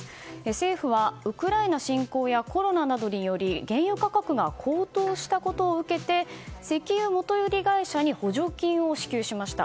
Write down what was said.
政府は、ウクライナ侵攻やコロナなどにより原油価格が高騰したことを受け石油元売り会社に補助金を支給しました。